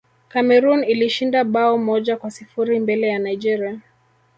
cameroon ilishinda bao moja kwa sifuri mbele ya nigeria